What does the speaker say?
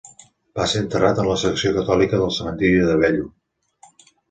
Va ser enterrat en la secció catòlica del cementiri de Bellu.